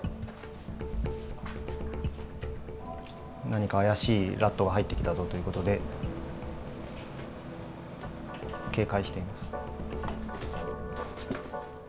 何か怪しいラットが入ってきたぞという事で警戒しています。